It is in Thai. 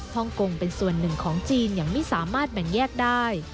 ฮ่องกงเป็นส่วนหนึ่งของจีนยังไม่สามารถแบ่งแยกได้